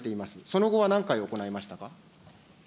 その後は何回行いましたか。